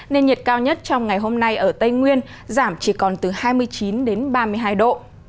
nên nhiệt cao nhất trong ngày hôm nay ở tây nguyên giảm chỉ còn từ hai mươi chín đến ba mươi hai độ